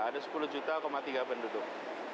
ada sepuluh tiga juta penduduk